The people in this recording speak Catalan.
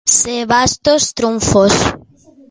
Ser bastos trumfos.